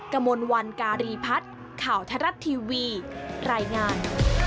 กระมวลวันการีพัฒน์ข่าวไทยรัฐทีวีรายงาน